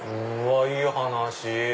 うわいい話！